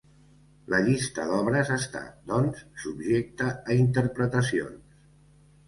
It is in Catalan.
La llista d'obres està, doncs, subjecta a interpretacions.